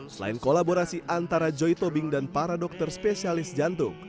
selain kolaborasi antara joy tobing dan para dokter spesialis jantung